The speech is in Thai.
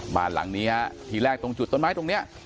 บ้านหลังนี้ฮะที่แรกตรงจุดต้นไม้ตรงนี้